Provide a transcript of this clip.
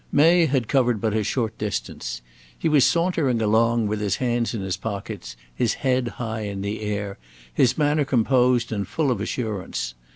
May had covered but a short distance. He was sauntering along with his hands in his pockets; his head high in the air, his manner composed and full of assurance.